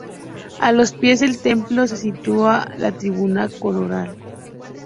A los pies del templo se sitúa la tribuna coral.